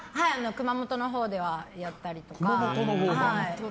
熊本のほうではやったりとか。